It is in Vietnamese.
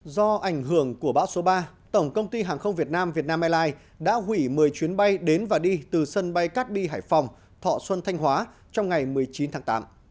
do ảnh hưởng của bão số ba tổng công ty hàng không việt nam vietnam airlines đã hủy một mươi chuyến bay đến và đi từ sân bay cát bi hải phòng thọ xuân thanh hóa trong ngày một mươi chín tháng tám